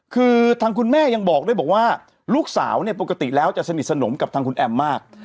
คือทางคุณแม่ยังบอกด้วยบอกว่าลูกสาวเนี่ยปกติแล้วจะสนิทสนมกับทางคุณแอมมาก